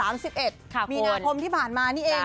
มีนาคมที่ผ่านมานี่เอง